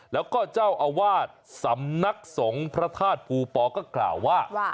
แล้วก็เจ้าอาวาสสำนักสงฆ์พระธาตุภูปอก็กล่าวว่า